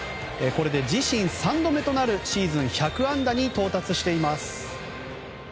これで自身３度目となるシーズン１００安打に到達しています。